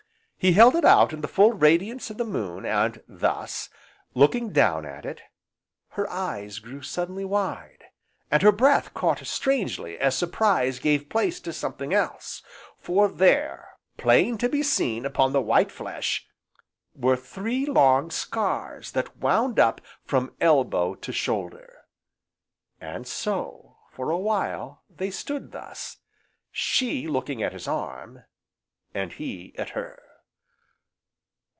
He held it out in the full radiance of the moon, and thus, looking down at it, her eyes grew suddenly wide, and her breath caught strangely as surprise gave place to something else; for there, plain to be seen upon the white flesh, were three long scars that wound up from elbow to shoulder. And so, for a while, they stood thus, she looking at his arm, and he at her.